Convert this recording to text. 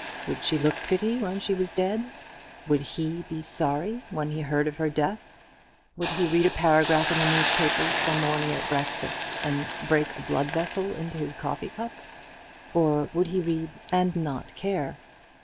Would she look pretty when she was dead? Would he be sorry when he heard of her death? Would he read a paragraph in the newspapers some morning at breakfast, and break a blood vessel into his coffee cup? Or would he read and not care?